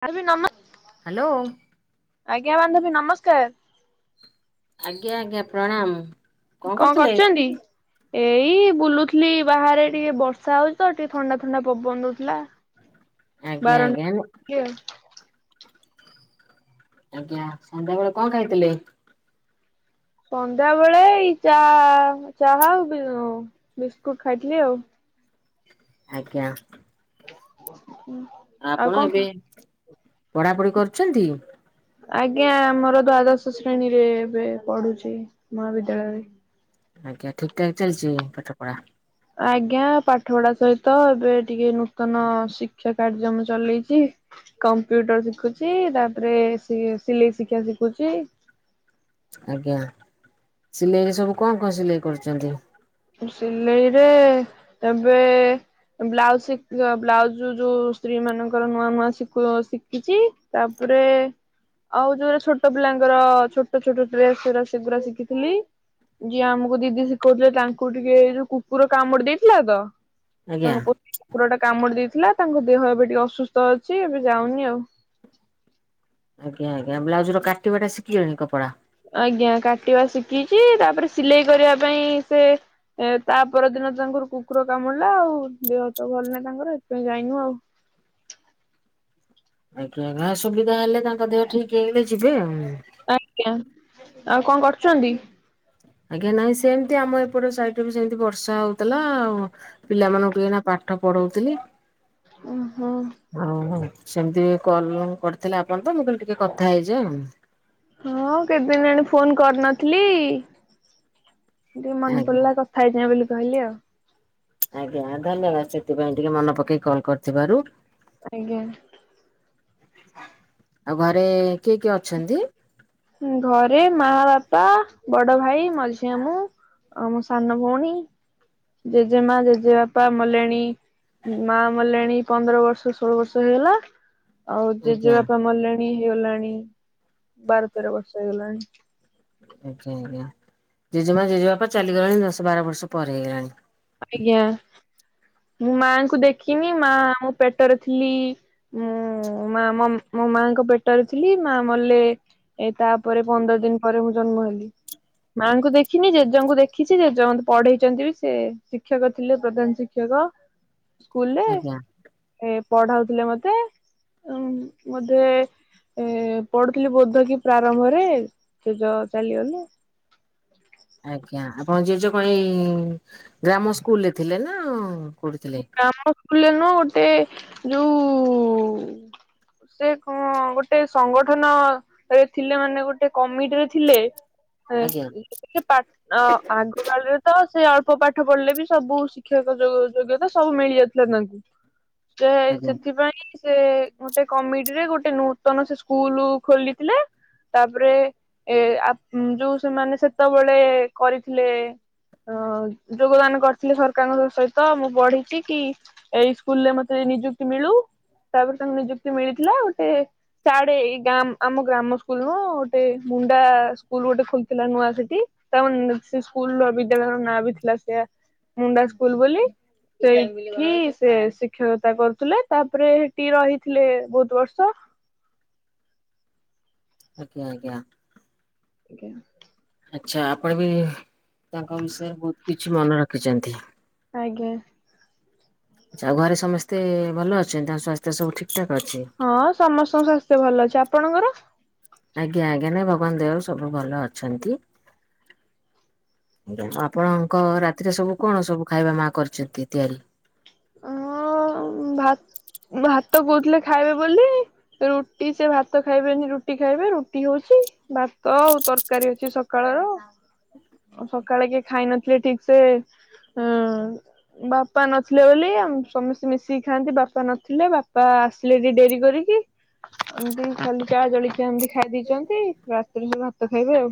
[unintelligible] ନମ ହ୍ୟାଲୋ। ଆଜ୍ଞା ବାନ୍ଧବୀ ନମସ୍କାର। ଆଜ୍ଞା ଆଜ୍ଞା ପ୍ରଣାମ। କଣ କରୁଚନ୍ତି? ଏଇ ବୁଲୁଥିଲି ବାହାରେ ଟିକେ ବର୍ଷା ହଉଛି ତ ଟିକେ ଥଣ୍ଡା ଥଣ୍ଡା ପବନ ଦଉଥିଲା। ଆଜ୍ଞା ବାରନ୍ ଆଜ୍ଞା। ଟିକିଏ ଆଉ ଆଜ୍ଞା ସନ୍ଧ୍ୟାବେଳେ କଣ ଖାଇଥିଲେ? ସନ୍ଧ୍ୟା ବେଳେ ଏଇ ଚା ଚାହା ଆଉ ବି ବିସ୍କୁଟ ଖାଇଥିଲି ଆଉ। ଆଜ୍ଞା। ହୁଁ। ଆପଣ ଏବେ ପଢାପଢି କରୁଛନ୍ତି। ଆଜ୍ଞା ଆମର ଦ୍ଵାଦଶ ଶ୍ରେଣୀରେ ଏବେ ପଢୁଛି ମହାବିଦ୍ୟାଳୟରେ। ଆଜ୍ଞା ଠିକ୍ ଠାକ୍ ଚାଲିଛି ପାଠ ପଢା। ଆଜ୍ଞା ପାଠ ପଢା ସହିତ ଏବେ ଟିକେ ନୂତନ ଶିକ୍ଷା କାର୍ଯ୍ୟ ମୁଁ ଚଲେଇଛି। କମ୍ପ୍ୟୁଟର ଶିଖୁଛି ତାପରେ ସି ସିଲେଇ ଶିକ୍ଷା ଶିଖୁଛି। ଆଜ୍ଞା ସିଲେଇ ସବୁ କଣ କଣ ସିଲେଇ କରୁଛନ୍ତି? ସିଲେଇରେ ଏବେ ବ୍ଲାଉଜ ଶିକ୍ ବ୍ଲାଉଜ ଯୋଉ ସ୍ତ୍ରୀ ମାନଙ୍କର ନୂଆ ନୂଆ ଶିକ ଶିଖିଛି। ତାପରେ ଆଉ ଯୋଉରା ଛୋଟ ପିଲାଙ୍କର ଛୋଟ ଛୋଟ ଡ୍ରେସଗୁରା ସେଗୁରା ଶିଖିଥିଲି। ଯିଏ ଆମକୁ ଦିଦି ଶିଖଉଥିଲେ ତାଙ୍କୁ ଟିକେ ଯୋଉ କୁକୁର କାମୁଡି ଦେଇଥିଲା ତ ଆଜ୍ଞା ତାଙ୍କ କୁକୁର ଟା କାମୁଡି ଦେଇଥିଲା ତାଙ୍କ ଦେହ ଏବେ ଟିକେ ଅସୁସ୍ଥ ଅଛି ଏବେ ଯାଉନି ଆଉ ଆଜ୍ଞା ଆଜ୍ଞା ବ୍ଲାଉଜ ର କାଟିବା ଟା ଶିଖିଗଲଣି କପଡ଼ା। ଆଜ୍ଞା କାଟିବା ଶିଖିଛି ତାପରେ ସିଲେଇ କରିବା ପାଇଁ ସେ ଏ ତା ପରଦିନ ତାଙ୍କର କୁକୁର କାମୁଡ଼ିଲା ଆଉ ଦେହ ହାତ ଭଲ ନାହିଁ ତାଙ୍କର ହେଥିପାଇଁ ଯାଇନୁ ଆଉ। ଆଜ୍ଞା ଘା ସୁବିଧା ହେଲେ ତାଙ୍କ ଦେହ ଠିକ ହେଇଗଲେ ଯିବେ ଆଉ। ଆଜ୍ଞା ଆଉ କଣ କରୁଛନ୍ତି? ଆଜ୍ଞା ନାଇଁ ସେମିତି ଆମ ଏପଟ ସାଇଡରେ ବି ସେମିତି ବର୍ଷା ହଉଥିଲା ଆଉ। ପିଲାମାନଙ୍କଠୁ ଏଇନା ପାଠ ପଢଉଥିଲି। ଓହୋ। ହଉ ହଉ ସେମିତି ବି କଲ ମ କରିଥିଲେ ଆପଣ ତ ମୁଁ କହିଲି ଟିକେ କଥା ହେଇଯିବା। ହଁ କେତ୍ ଦିନ ହେଲାଣି ଫୋନ କରିନଥିଲି ଟିକେ ମନ ଆଉ। ପଡିଲା କ ଖାଇଛନା ବୋଲି କହିଲି ଆଉ। ଆଜ୍ଞା ଧନ୍ୟବାଦ ସେଥିପାଇଁ ଟିକେ ମନେ ପକେଇ କଲ୍ କରିଥିବାରୁ। ଆଜ୍ଞା। ଆଉ ଘରେ କିଏ କିଏ ଅଛନ୍ତି? ଘରେ ମା ବାପା ବଡ ଭାଇ ମଝିଆ ମୁଁ। ଆ ମୋ ସାନ ଭଉଣୀ ଜେଜେମା ଜେଜେବାପା ମଲେଣୀ। ମା ମଲେଣି ପନ୍ଦର ବର୍ଷ ଷୋହଳ ବର୍ଷ ହେଇଗଲା। ଆଉ ଆଜ୍ଞା ଜେଜେବାପା ମଲେଣି ହେଇଗଲାଣି ବାର ତେର ବର୍ଷ ହେଇଗଲାଣି। ଆଜ୍ଞା ଆଜ୍ଞା ଜେଜେମା ଜେଜେବାପା ଚାଲିଗଲାଣି ଦଶ ବାର ବର୍ଷ ପରେ ହେଇଗଲାଣି। ଆଜ୍ଞା ମୁଁ ମାଙ୍କୁ ଦେଖିନି ମା ଆମ ପେଟରେ ଥିଲି ମୁଁ ମା ମୋ ମାଙ୍କ ପେଟରେ ଥିଲି ମା ମଲେ ଏ ତାପରେ ପନ୍ଦର ଦିନ ପରେ ମୁଁ ଜନ୍ମ ହେଲି। ମାଆଙ୍କୁ ଦେଖିନି ଜେଜେଙ୍କୁ ଦେଖିଛି ଜେଜେ ମତେ ପଢେଇଛନ୍ତି ବି ସେ ଶିକ୍ଷକ ଥିଲେ ପ୍ରଧାନ ଶିକ୍ଷ ଖିୟ ସ୍କୁଲରେ ଆଜ୍ଞା। ଏ ପଢାଉଥିଲେ ମତେ ଉ ବୋଧେ ଏ ପଢୁଥିଲି ବୋଧ କି ପ୍ରାରମ୍ଭରେ ଜେଜ ଚାଲିଗଲେ। ଆଜ୍ଞା ଆପଣ ଜେଜ ଙ୍କଣ ଜେଜ କଣ ଏଇ ଗ୍ରାମ ସ୍କୁଲରେ ଥିଲେ ନା କୋଉଠି ଥିଲେ? ଗ୍ରାମ ସ୍କୁଲରେ ନୁହ ଗୋଟେ ଯୋଉ ସେ କଣ ଗୋଟେ ସଂଗଠନ ସେ ଥିଲେ ମାନେ ଗୋଟେ କମିଟିରେ ଥିଲେ। ଏ ଆଜ୍ଞା କେତେ ପାଠ ଆଗ କାଳରେ ତ ସେ ଅଳ୍ପ ପାଠ ପଢିଲେ ବି ସବୁ ଶିକ୍ଷକ ଯୋଗ ଯୋଗ୍ୟତା ସବୁ ମିଳି ଯାଉଥିଲା ତାଙ୍କୁ ସେ ଆଜ୍ଞା ସେଥିପାଇଁ ସେ ଗୋଟେ କମିଟି ରଗୋଟେ ନୂତନ ସେ ସ୍କୁଲ ଖୋଲିଥିଲେ। ତାପରେ ଏ ଆ ଯୋଉ ସେମାନେ ସେତେବେଳେ କରିଥିଲେ। ହ ଯୋଗଦାନ କରିଥିଲେ ସରକାରଙ୍କ ସହିତ। ତ ମୁଁ ପଢିଛି କି ଏଇ ସ୍କୁଲରେ ମତେ ନିଯୁକ୍ତି ମିଳୁ। ତାପରେ ତାଙ୍କୁ ନିଯୁକ୍ତି ମିଳିଥିଲା ଗୋଟେ ସାଡେ ଏଇ ଗା ଆମ ଗ୍ରାମ ସ୍କୁଲରୁ ଗୋଟେ ମୁଣ୍ଡା ସ୍କୁଲ ଗୋଟେ ଖୋଲିଥିଲା ନୂଆ ସେଠି। ତ ନୁ ସେ ସ୍କୁଲର ବିଦ୍ୟାଳୟର ନାଁ ବି ଥିଲା ସେଇଆ ମୁଣ୍ଡା ସ୍କୁଲ ବୋଲି। ସେଇଠି ସେ ଶିକ୍ଷକତା କରୁଥିଲେ ତାପରେ ହେଠି ରହିଥିଲେ ବହୁତ ବର୍ଷ। ଆଜ୍ଞା ଆଜ୍ଞା। ଆଜ୍ଞା। ଆଛା ଆପଣ ବି ତାଙ୍କ ବିଷୟରେ ବହୁତ କିଛି ମନେ ରଖିଛନ୍ତି। ଆଜ୍ଞା। ଆଛା ଆଉ ଘରେ ସମସ୍ତେ ଭଲ ଅଛନ୍ତି ତାଙ୍କ ସ୍ୱାସ୍ଥ୍ୟ ସବୁ ଠିକ୍ ଠାକ୍ ଅଛି। ହଁ ସମସ୍ତଙ୍କ ସ୍ୱାସ୍ଥ୍ୟ ଭଲ ଅଛି ଆପଣଙ୍କର? ଆଜ୍ଞା ଆଜ୍ଞା ନାଇଁ ଭଗବାନ ଦୟାରୁ ସବୁ ଭଲ ଅଛନ୍ତି। ଆପଣଙ୍କ ରାତିରେ ସବୁ କଣ ସବୁ ଖାଇବା ମା କରିଛନ୍ତି ତିଆରି? ଅ ଭା ଭାତ କୋହୁଥିଲେ ଖାଇବେ ବୋଲି ରୁଟି ସେ ଭାତ ଖାଇବେନି ରୁଟି ଖାଇବେ ରୁଟି ହଉଛି। ଭାତ ଆଉ ତରକାରୀ ଅଛି ସକାଳ ର। ସକାଳେ କିଏ ଖାଇ ନଥିଲେ ଠିକ ସେ ବାପା ନ ଥିଲେ ବୋଲି ଆମେ ସମସ୍ତେ ମିଶିକି ଖାଆନ୍ତି ବାପା ନଥିଲେ ବାପା ଆସିଲେ ଟି ଡେରି କରିକି। ଏମତି ଖାଲି ଚା ଜଳିଖିଆ ଏମିତି ଖାଇ ଦେଇଛନ୍ତି। ରାତିରେ ସବୁ ଭାତ ଖାଇବେ ଆଉ।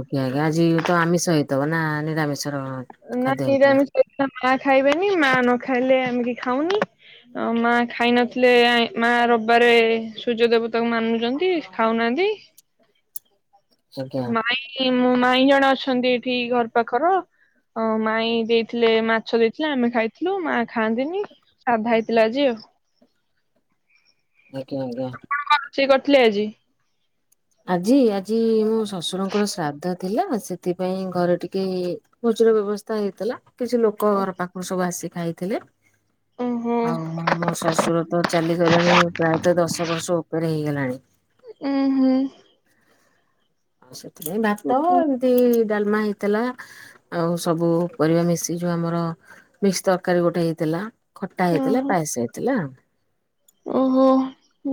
ଆଜ୍ଞା ଆଜ୍ଞା ଆଜି ତ ଆମିଷ ହେଇଥବ ନା ନିରାମିଷର ନାଇ ଖାଦ୍ୟ ହେଇଥିଲା? ନିରାମିଷ ହେଲେ ମା ଖାଇବେନି ମା ନ ଖାଇଲେ ଆମେ ବି ଖାଉନି। ଅ ମା ଖାଇନଥିଲେ ଆ ମା ରବିବାରେ ସୂର୍ଯ୍ୟ ଦେବତାକୁ ମାନୁଛନ୍ତି ଖାଉନାହାନ୍ତି। ଆଜ୍ଞା ମାଇଁ ମୋ ମାଇଁ ଜଣେ ଅଛନ୍ତି ଏଠି ଘର ପାଖର। ମରିଗଲା ସାଧା ହେଇଥିଲା ଆଜି ଆଉ। [unintelligible] କଣ କଣ ରୋଷେଇ କରିଥିଲେ ଆଜି? ଆଜି ଆଜି ମୋ ଶଶୁରଙ୍କର ଶ୍ରାଦ୍ଧ ଥିଲା ସେଥିପାଇଁ ଘରେ ଟିକେ ଭୋଜିର ବ୍ୟବସ୍ଥା ହେଇଥିଲା କିଛି ଲୋକ ଘର ପାଖରୁ ସବୁ ଆସି ଖାଇଥିଲେ। [unintelligible] ଆଉ ମୋ ମୋ ଶଶୁର ତ ଚାଲିଗଲେଣି ପ୍ରାୟତଃ ଦଶ ବର୍ଷ ଉପରେ ହେଇଗଲାଣି। ଉଁ ହୁଁ। ଆଉ ସେଥିପାଇଁ ଭାତ ଏମିତି ଡାଲମା ହେଇ ଥିଲା ଆଉ ସବୁ ପରିବା ମିଶିକି ଯୋଉ ଆମର ମିକ୍ସ ତରକାରୀ ଗୋଟେ ହେଇଥିଲା, ଖଟା ହେଇଥିଲା, ପାଏସ ହେଇଥିଲା। ଓହୋଃ।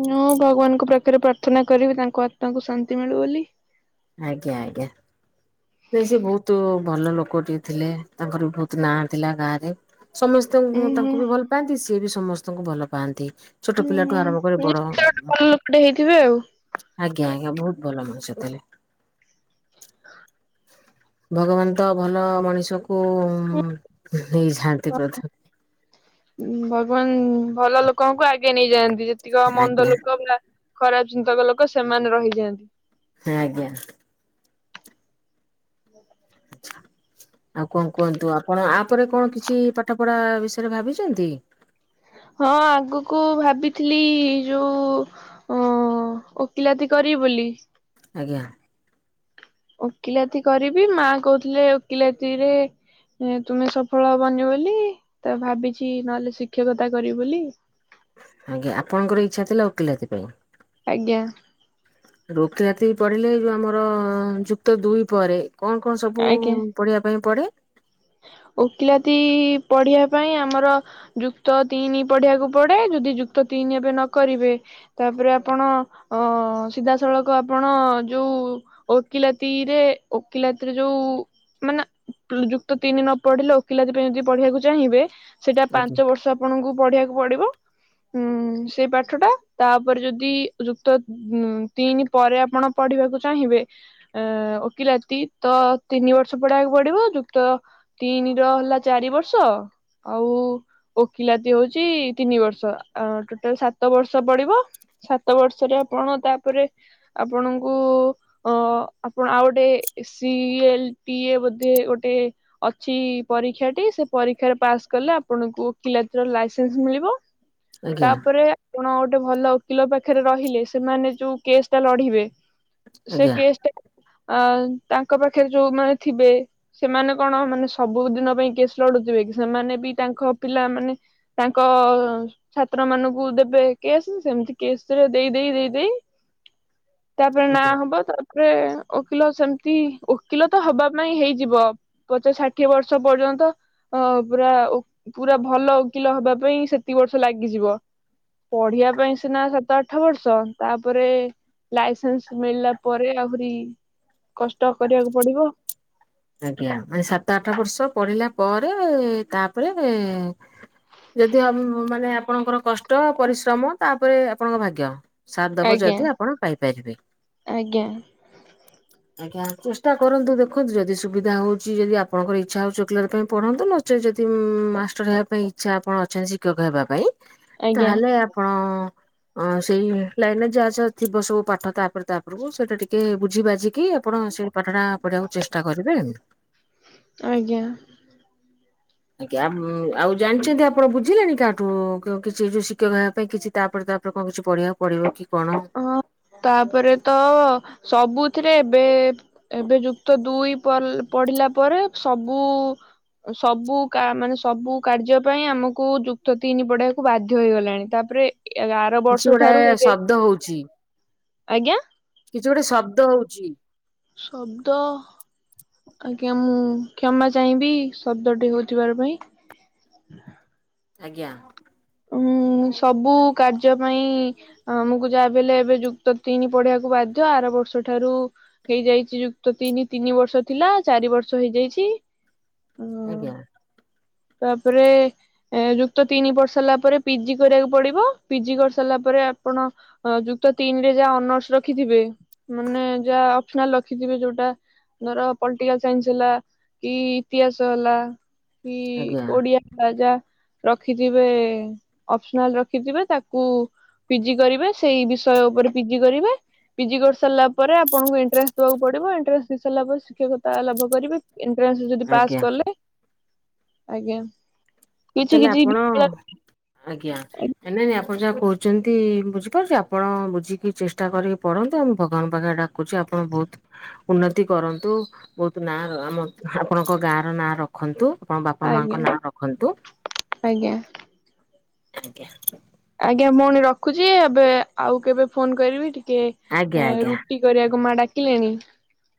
ମୁଁ ଭଗବାନଙ୍କ ପାଖରେ ପ୍ରାର୍ଥନା କରିବି ତାଙ୍କ ଆତ୍ମାକୁ ଶାନ୍ତି ମିଳୁ ବୋଲି। ଆଜ୍ଞା ଆଜ୍ଞା। ନାଇଁ ସିଏ ବହୁତ ଭଲ ଲୋକଟିଏ ଥିଲେ ତାଙ୍କର ବି ବହୁତ ନାଁ ଥିଲା ଗାଁରେ। ସମ ସମସ୍ତେ ଉୁଁ ହୁଁ ତାଙ୍କୁ ବି ଭଲ ପାଆନ୍ତି ସିଏ ବି ସମସ୍ତଙ୍କୁ ଭଲ ପାଆନ୍ତି। ଛୋଟ ହୁଁ ହୁଁ ପିଲାଠୁ ଆରମ୍ଭ କରି ବଡ଼। ନିଶ୍ଚୟ ଗୋଟେ ଭଲ ଲୋକଟେ ହେଇଥିବେ ଆଉ। ଆଜ୍ଞା ଆଜ୍ଞା ବହୁତ ଭଲ ମଣିଷଥିଲେ। ଭଗବାନ ତ ଭଲ ମଣିଷକୁ ନେଇଯାଆନ୍ତି ପ୍ରଥମେ। ଭଗବାନ ଭଲ ଲୋକଙ୍କୁ ଆଗେ ନେଇଯାଆନ୍ତି। ଯେତିକ ମନ୍ଦ ଆଜ୍ଞା ଲୋକ ବା ଖରାପ ଚିନ୍ତକ ଲୋକ ସେମାନେ ରହିଯାଆନ୍ତି। ଆଜ୍ଞା। [inaudible] ଆଉ କଣ କୁହନ୍ତୁ, ଆପଣ ଆପରେ କଣ କିଛି ପାଠ ପଢ଼ା ବିଷୟରେ ଭାବିଛନ୍ତି? ହଁ ଆଗକୁ ଭାବିଥିଲି ଯୋଉ ଓ ଓକିଲାତି କରିବି ବୋଲି ଆଜ୍ଞା। ଓକିଲାତି କରିବି ମା କହୁଥିଲେ ଓକିଲାତି ରେ ଏ ତୁମେ ସଫଳ ହେବନି ବୋଲି ତ ଭାବିଛି ନହେଲେ ଶିକ୍ଷକତା କରିବି ବୋଲି। ଆଜ୍ଞା ଆପଣଙ୍କର ଇଚ୍ଛା ଥିଲା ଓକିଲାତି ପାଇଁ? ଆଜ୍ଞା। ଓକିଲାତି ପଢ଼ିଲେ ଯୋଉ ଆମର ଯୁକ୍ତ ଦୁଇ ପରେ କଣ କଣ ସବୁ ଆଜ୍ଞା ପଢ଼ିବା ପାଇଁ ପଡ଼େ? ଓକିଲାତି ପଢ଼ିବା ପାଇଁ ଆମର ଯୁକ୍ତ ତିନି ପଢ଼ିବାକୁ ପଡ଼େ। ଯଦି ଯୁକ୍ତ ତିନି ଏବେ ନ କରିବେ ତାପରେ ଆପଣ ଅ ସିଧାସଳଖ ଆପଣ ଯୋଉ ଓକିଲାତିରେ ଓକିଲାତିରେ ଯୋଉ ମାନେ ଯୁକ୍ତ ତିନି ନ ପଢ଼ିଲେ ଓକିଲାତି ପାଇଁ ଯଦି ପଢ଼ିବାକୁ ଚାହିଁବେ ସେଟା ଆଜ୍ଞା ପାଞ୍ଚ ବର୍ଷ ଆପଣଙ୍କୁ ପଢ଼ିବାକୁ ପଡ଼ିବ, ଉଁ ସେଇ ପାଠ ଟା ତାପରେ ଯଦି ଯୁକ୍ତ ତିନି ପରେ ଆପଣ ପଢ଼ିବାକୁ ଚାହିଁବେ ଅ ଓକିଲାତି ତ ତିନି ବର୍ଷ ପଢ଼ିବାକୁ ପଡ଼ିବ। ତ ତିନି ର ହେଲା ଚାରି ବର୍ଷ ଆଉ ଓକିଲାତି ହଉଛି ତିନି ବର୍ଷ ଟୋଟାଲ ସାତ ବର୍ଷ ପଢ଼ିବ ସାତ ବର୍ଷରେ ଆପଣ ତାପରେ ଆପଣଙ୍କୁ ଅ ଆପଣ ଆଉ ଗୋଟେ ସି ଏଲ ପି ଏ ବୋଧେ ଗୋଟେ ଅଛି ପରୀକ୍ଷା ଟି ସେ ପରୀକ୍ଷାରେ ପାସ୍ କଲେ ଆପଣଙ୍କୁ ଓକିଲାତିର ଲାଇସେନ୍ସ ମିଳିବ। ଆଜ୍ଞା ତାପରେ ଆପଣ ଗୋଟେ ଭଲ ଓକିଲ ପାଖରେ ରହିଲେ ସେମାନେ ଯୋଉ କେସ୍ ଟା ଲଢ଼ିବେ ସେ ଆଜ୍ଞା କେସ୍ ତାଙ୍କ ପାଖରେ ଯୋଉ ମାନେ ଥିବେ ସେମାନେ କଣ ମାନେ ସବୁ ଦିନ ପାଇଁ କେସ୍ ଲଢ଼ୁଥିବେ କି ସେମାନେ ବି ତାଙ୍କ ପିଲା ମାନେ ତାଙ୍କ ଛାତ୍ର ମାନଙ୍କୁ ଦେବେ କେସ୍ ସେମିତି କେସ୍ ରେ ଦେଇ ଦେଇ ଦେଇ ଦେଇ ତାପରେ ନାଁ ଆଜ୍ଞା। ହବ ତାପରେ ଓକିଲ ସେମିତି ଓକିଲ ତ ହବା ପାଇଁ ହେଇ ଯିବ ପଚାଶ ଷାଠିଏ ବର୍ଷ ପର୍ଯ୍ୟନ୍ତ ଅ ପୁରା ପୁରା ଭଲ ଓକିଲ ହବା ପାଇଁ ସେତିକି ବର୍ଷ ଲାଗିଯିବ। ପଢିବା ପାଇଁ ସିନା ସାତ ଆଠ ବର୍ଷ ତାପରେ ଲାଇସେନ୍ସ ମିଳିଲା ପରେ ଆହୁରି କଷ୍ଟ କରିବାକୁ ପଡିବ ଆଜ୍ଞା ମାନେ ସାତ ଆଠ ବର୍ଷ ପଢିଲା ପରେ ତାପରେ ଯଦି ହବ ମାନେ ଆପଣଙ୍କର କଷ୍ଟ ପରିଶ୍ରମ ତାପରେ ଆପଣଙ୍କ ଭାଗ୍ୟ ସାର୍ ଦବ ଆଜ୍ଞା ଯଦି ଆପଣ ପାଇପାରିବେ। ଆଜ୍ଞା ଆଜ୍ଞା ଚେଷ୍ଟା କରନ୍ତୁ ଦେଖନ୍ତୁ ଯଦି ସୁବିଧା ହେଉଛି ଯଦି ଆପଣଙ୍କର ଇଚ୍ଛା ହେଉଚି ଓକିଲାତି ପାଇଁ ପଢ଼ନ୍ତୁ ନଚେଦ ଯଦି ମାଷ୍ଟର ହେବା ପାଇଁ ଆଛା ଆପଣ ଅଛନ୍ତି ଶିକ୍ଷକ ହେବା ପାଇଁ ଆଜ୍ଞା ତାହେଲେ ଆପଣ ଅଁ ସେଇ ଲାଇନ ରେ ଯାହା ଯାହା ଥିବ ସବୁ ପାଠ ତାପରେ ତାପରକୁ ସେଇଟା ଟିକେ ବୁଝି ବାଜିକି ଆପଣ ସେ ପାଠଟା ପତିବାକୁ ଚେଷ୍ଟା କରିବେ। ଆଜ୍ଞା। ଆଜ୍ଞା ଆ ଆଉ ଜାଣିଛନ୍ତି ଆପଣ ବୁଝିଲେଣି କାହାଠୁ କିଛି ଯୋଉ ଶିକ୍ଷକ ହେବା ପାଇଁ କିଛି ତାପରେ ତାପରେ କଣ କିଛି ପଢିବାକୁ ପଡିବ କି କଣ? ହଁ ତାପରେ ତ ସବୁଥିରେ ଏବେ ଏବେ ଯୁକ୍ତ ଦୁଇ ପଢିଲା ପରେ ସବୁ ସବୁ ମାନେ ସବୁ କାର୍ଯ୍ୟ ପାଇଁ ଆମକୁ ଯୁକ୍ତ ତିନି ପଢେଇବାକୁ ବାଧ୍ୟ ହେଇଗଲାଣି ତାପରେ ଆର ବର୍ଷ ଠାରୁ ହେଇଯାଇ ଦଉଚି ଆଜ୍ଞା। କିଛି ଗୋଟେ ଶବ୍ଦ ହଉଚି। ଶବ୍ଦ। ଆଜ୍ଞା ମୁଁ କ୍ଷମା ଚାହିଁବି ଶବ୍ଦଟି ହଉଥିବାର ପାଇଁ। ଆଜ୍ଞା। ଉଁ ସବୁ କାର୍ଯ୍ୟ ପାଇଁ ଆମକୁ ଯାହାବି ହେଲେ ଏବେ ଯୁ ତ ତିନି ପଢିବାକୁ ବାଧ୍ୟ ଆର ବର୍ଷ ଠାରୁ ହେଇଯାଇଚି ଯୁକ୍ତ ତିନି ତିନି ବର୍ଷ ଥିଲା ଚାରି ବର୍ଷ ହେଇଯାଇଡ଼ି। ହଁ ଆଜ୍ଞା ତାପରେ ଯୁକ୍ତ ତିନି ବର୍ଷ ହେଲା ତା ପରେ ପିଜି କରିବାକୁ ପଡିବ ପିଜି କରିସାରିଲା ପରେ ଆପଣ ଯୁକ୍ତ ତିନିରେ ଯାହା ଅନର୍ସ ରଖିଥିବେ ମାନେ ଯାହା ଅପସନାଲ ରଖିଥିବେ ଯୋଉଟା ଧର ପଲିଟିକାଲ ସାଇନ୍ସ ହେଲା କି ଇତିହାସ ହେଲା କି ଆଜ୍ଞା ଓଡିଆ ଯା ରଖିଥିବେ ଅପସନାଲ ରଖିଥିବେ ତାକୁ ପିଜି କରିବେ ସେଇ ବିଷୟ ଉପରେ ପିଜି କରିବେ। ପିଜି କରି ସାରିଲା ପରେ ଆପଣଙ୍କୁ ଏଣ୍ଟରାନ୍ସ ଦବାକୁ ପଡିବ ଏଣ୍ଟରାନ୍ସ ଦେଇ ସାରିଲା ପରେ ଶିକ୍ଷକତା ଲାଭ କରିବେ। ଏଣ୍ଟରାନ୍ସ ଯଦି ଆଜ୍ଞା। ପାସ୍ କଲେ ଆଜ୍ଞା କିଛି ତାହେଲେ କିଛି ଆପଣ ବିଦ୍ୟାଳୟ ଆଜ୍ଞା ନାଇ ନାଇ ଆପଣ ଯାହା କହୁଚନ୍ତି ବୁଝିପାରୁଚି ଆପଣ ବୁଝିକି ଚେଷ୍ଟା କରିକି ପଢ଼ନ୍ତୁ ମୁ ଭଗବାନଙ୍କ ପାଖେ ଡ଼ା କୁଚି ଆପଣ ବହୁତ ଉନ୍ନତି କରନ୍ତୁ ବହୁତ ନାଁ ଆମ ଆପଣଙ୍କ ଗାଁ ର ନାଁ ରଖ ରଖନ୍ତୁ ଆପଣ ବାପା ଆଜ୍ଞା ମାଙ୍କ ନାଁ ରଖନ୍ତୁ। ଆଜ୍ଞା। ଆଜ୍ଞା। ଆଜ୍ଞା ଭଉଣି ରଖୁଛି ଏବେ ଆଉ କେବେ ଫୋନ କରିବି ଟିକେ ଆଜ୍ଞା ଆଜ୍ଞା ରୁଟି କରିବାକୁ ମା ଡାକିଲେଣି।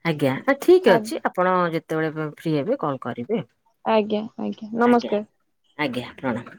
ଆଜ୍ଞା ଠିକ୍ ଖା ଅଛି ଆପଣ ଯେତେବେଳେ ଫ୍ରି ହେବେ କଲ କରିବେ। ଆଜ୍ଞା ଆଜ୍ଞା ନମସ୍କାର। ଆଜ୍ଞା ପ୍ରଣାମ।